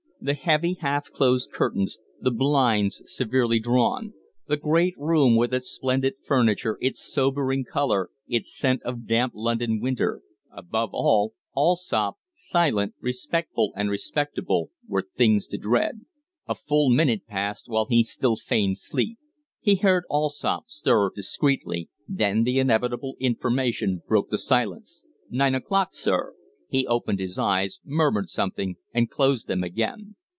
The heavy, half closed curtains; the blinds severely drawn; the great room with its splendid furniture, its sober coloring, its scent of damp London winter; above all, Allsopp, silent, respectful, and respectable were things to dread. A full minute passed while he still feigned sleep. He heard Allsopp stir discreetly, then the inevitable information broke the silence: "Nine o'clock, sir!" He opened his eyes, murmured something, and closed them again.